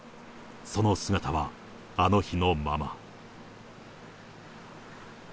その姿はあの日のまま。